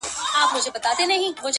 • تا چي پر لمانځه له ياده وباسم.